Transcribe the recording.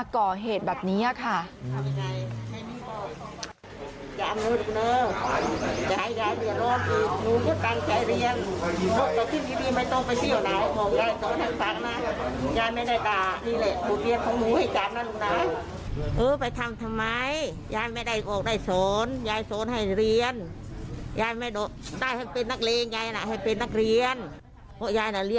ก่อเหตุเขาใช่ไหมครับแล้วมาก่อเหตุแบบนี้ค่ะ